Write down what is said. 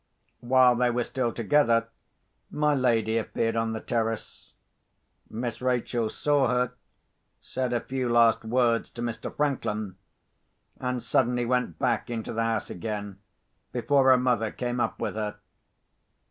While they were still together, my lady appeared on the terrace. Miss Rachel saw her—said a few last words to Mr. Franklin—and suddenly went back into the house again, before her mother came up with her.